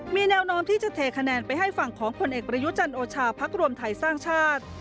มีแนวโน้มที่จะเทคะแนนไปให้ฝั่งของผลเอกประยุจันทร์โอชาพักรวมไทยสร้างชาติ